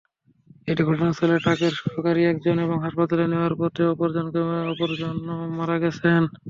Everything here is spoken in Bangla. এতে ঘটনাস্থলে ট্রাকের সহকারী একজন এবং হাসপাতালে নেওয়ার পথে অপরজন মারা গেছেন।